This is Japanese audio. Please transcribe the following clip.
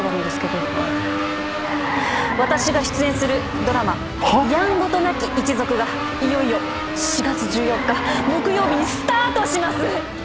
私が出演するドラマ『やんごとなき一族』がいよいよ４月１４日木曜日にスタートします！